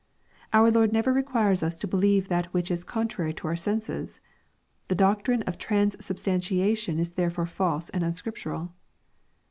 Our Lord never requires us to believe that which is contrary to our senses. The doctrine of transubstanti ation is therefore false and unscriptural.